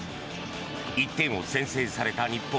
１点を先制された日本。